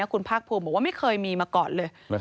คุณภาคภูมิบอกว่าไม่เคยมีมาก่อนเลย